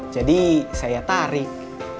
jadi saya tarik